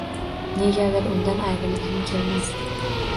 Negadir undan ayrilgim kelmasdi.